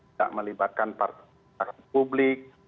tidak melibatkan partai partai publik